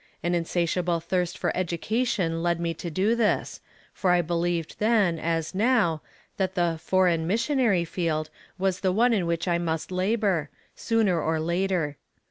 An insatiable thirst for education led me to do this, for I believed then, as now, that the "Foreign Missionary" field was the one in which I must labor, sooner or later.